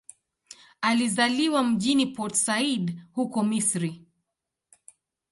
Alizaliwa mjini Port Said, huko Misri.